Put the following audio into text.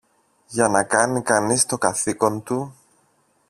για να κάνει κανείς το καθήκον του.